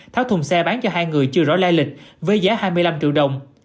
tháo thùng xe bán cho hai người chưa rõ lai lịch với giá hai mươi năm triệu đồng